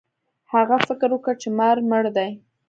هغه فکر وکړ چې مار مړ دی.